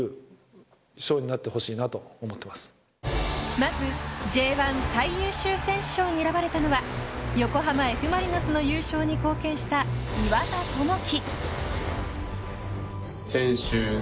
まずＪ１最優秀選手賞に選ばれたのは横浜Ｆ・マリノスの優勝に貢献した岩田智輝。